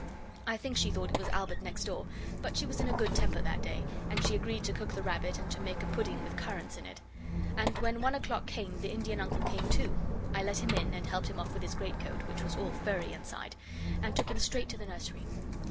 I think she thought it was Albert next door, but she was in a good temper that day, and she agreed to cook the rabbit and to make a pudding with currants in it. And when one o'clock came the Indian Uncle came too. I let him in and helped him off with his greatcoat, which was all furry inside, and took him straight to the nursery.